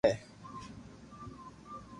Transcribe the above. ايڪ ڪمرا مي مارا ماتا پيتا رھي ھي